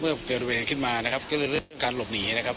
เมื่อเกิดประเภทขึ้นมานะครับก็เรื่องเรื่องการหลบหนีนะครับ